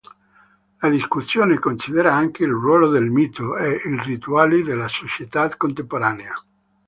La discussione considera anche il ruolo del mito e il rituale nella società contemporanea.